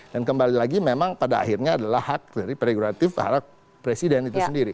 dan kembali lagi memang pada akhirnya adalah hak dari prerogatif para presiden itu